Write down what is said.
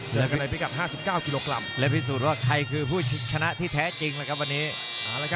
เจอกันในพิกัด๕๙กิโลกรัมและพิสูจน์ว่าใครคือผู้ชนะที่แท้จริงนะครับวันนี้